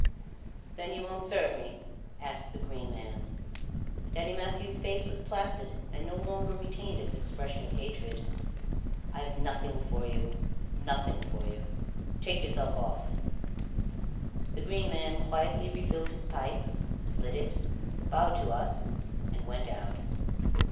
"Then you won't serve me?" asked the Green Man. Daddy Mathieu's face was placid and no longer retained its expression of hatred. "I've nothing for you nothing for you. Take yourself off." The Green Man quietly refilled his pipe, lit it, bowed to us, and went out.